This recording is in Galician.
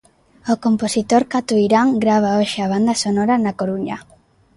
O compositor catoirán grava hoxe a banda sonora na Coruña.